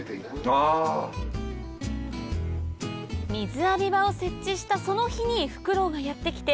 水浴び場を設置したその日にやって来て